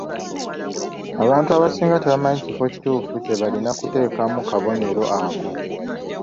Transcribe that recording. Abantu abasinga tebamanyi kifo kituufu kye balina kuteekamu kabonero ako.